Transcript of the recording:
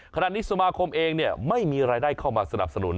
ขณะนี้สมาคมเองไม่มีรายได้เข้ามาสนับสนุน